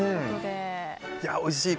おいしい。